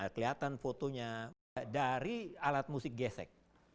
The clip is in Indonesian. kelihatan fotonya dari alat musik gesek